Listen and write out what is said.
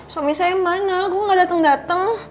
suami saya mana gue nggak dateng dateng